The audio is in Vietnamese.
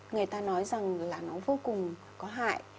người ta nói rằng là nó vô cùng có hại